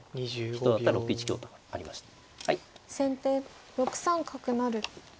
先手６三角成。